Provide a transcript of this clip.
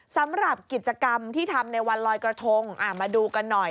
สำหรับกิจกรรมที่ทำในวันลอยกระทงมาดูกันหน่อย